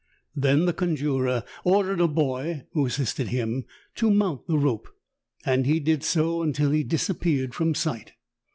Then the conjurer ordered a boy who assisted him to mount the rope, and he did so until he disappeared from sight.